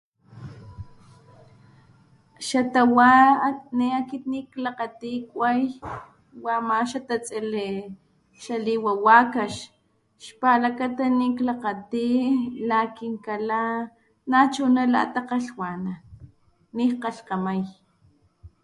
Xatawa ne akit niklakgati kuay wa ama xatatsili xaliwa wakax xpalakata niklakgati la kinkala nachuna la takgalhwanan nikkgalhkgamay.